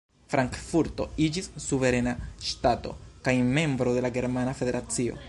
Frankfurto iĝis suverena ŝtato kaj membro de la Germana Federacio.